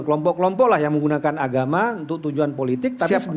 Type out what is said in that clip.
kelompok kelompok lah yang menggunakan agama untuk tujuan politik